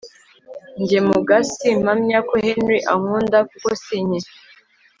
Njye muga simpamya ko Henry ankunda kuko sinkiri